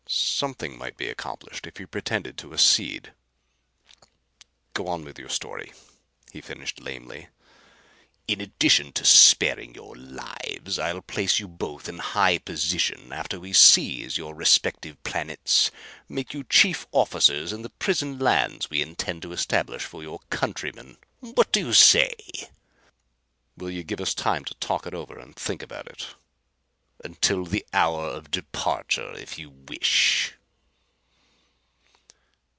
Something might be accomplished if he pretended to accede. "Go on with your story," he finished lamely. "In addition to sparing your lives I'll place you both in high position after we seize your respective planets. Make you chief officers in the prison lands we intend to establish for your countrymen. What do you say?" "Will you give us time to talk it over and think about it?" "Until the hour of departure, if you wish."